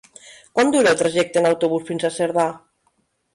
Quant dura el trajecte en autobús fins a Cerdà?